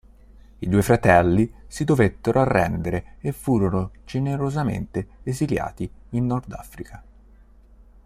I due fratelli si dovettero arrendere e furono generosamente esiliati in Nordafrica.